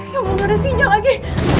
yang belum ada sinyal lagi